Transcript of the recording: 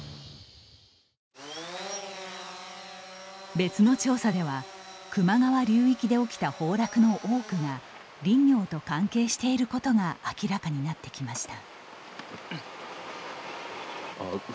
別の調査では球磨川流域で起きた崩落の多くが林業と関係していることが明らかになってきました。